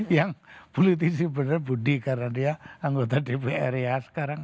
yang politisi benar budi karena dia anggota dpr ya sekarang